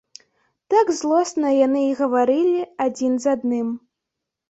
Так злосна яны і гаварылі адзін з адным.